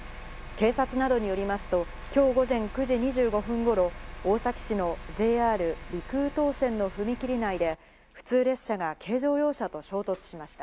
警察などによりますと今日午前９時２５分頃、大崎市のＪＲ陸羽東線の踏切内で普通列車が軽乗用車と衝突しました。